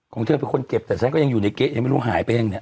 คงเชื่อเป็นคนเก็บแต่ฉันก็ยังอยู่ในเก๊ยังไม่รู้หายไปเองเนี่ย